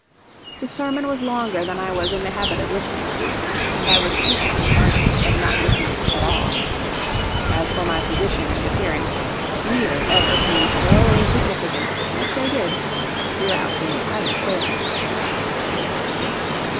The sermon was longer than I was in the habit of listening to, and I was frequently conscious of not listening at all. As for my position and appearance, neither ever seemed so insignificant as they did throughout the entire service.